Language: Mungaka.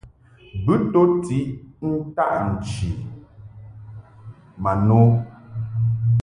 Bɨ to tiʼ ni ntaʼ nchi ma no.